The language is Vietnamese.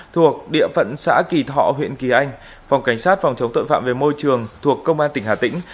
thuộc địa phận xã kỳ thọ huyện kỳ anh phòng cảnh sát phòng chống tội phạm về môi trường thuộc công an tỉnh hà tĩnh